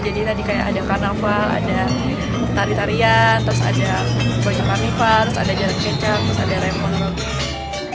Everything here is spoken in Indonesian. jadi tadi kayak ada karnaval ada tarian terus ada boncokarnival terus ada jalan kecam terus ada remon